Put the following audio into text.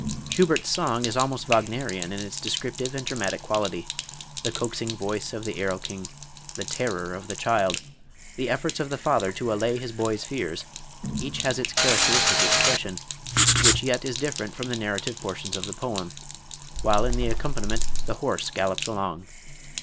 Schubert's song is almost Wagnerian in its descriptive and dramatic quality. The coaxing voice of the Erlking, the terror of the child, the efforts of the father to allay his boy's fears, each has its characteristic expression, which yet is different from the narrative portions of the poem, while in the accompaniment the horse gallops along.